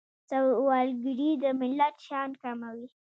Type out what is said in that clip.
سوالګري د ملت شان کموي